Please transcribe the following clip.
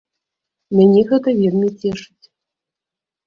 Мяне гэта вельмі цешыць.